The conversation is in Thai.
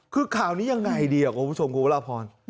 คือข้าวนี้ยังไงดีครับคุณผู้ชมคุณพระลาภอน